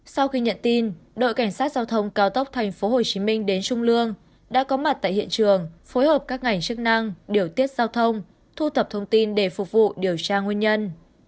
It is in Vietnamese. sau khi nhận tin đội cảnh sát giao thông cao tốc tp hcm đến trung lương đã có mặt tại hiện trường phối hợp các ngành chức năng điều tiết giao thông thu thập thông tin để phục vụ điều tra nguyên nhân